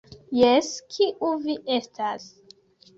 Jes, kiu vi estas?